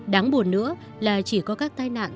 đáng buồn nữa là chỉ có các tai nạn